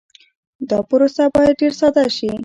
دا پروسه باید ډېر ساده شي.